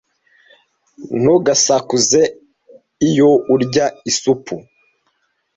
Ntugasakuze iyo urya isupu.